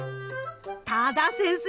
多田先生